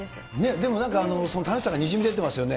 でもなんか、その楽しさがにじみ出てますよね。